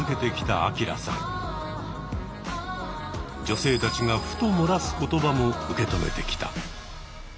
女性たちがふと漏らす言葉も受け止めてきた。